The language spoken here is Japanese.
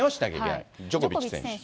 ジョコビッチ選手。